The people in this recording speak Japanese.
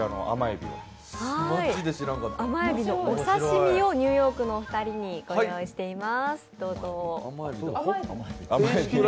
甘えびのお刺身をニューヨークのお二人にご用意しています。